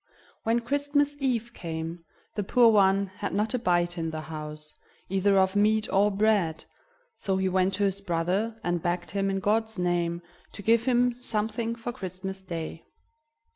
When Christmas Eve came, the poor one had not a bite in the house, either of meat or bread; so he went to his brother, and begged him, in God's name, to give him something for Christmas Day.